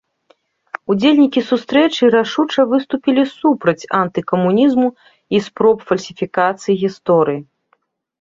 Удзельнікі сустрэчы рашуча выступілі супраць антыкамунізму і спроб фальсіфікацыі гісторыі.